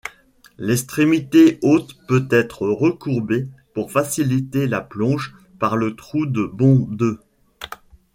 L'extrémité haute peut être recourbée pour faciliter la plonge par le trou de bonde.